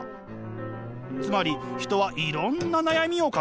つまり人はいろんな悩みを抱えているんです。